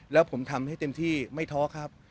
แล้วผมทำให้เต็มที่ไม่ท้อครับ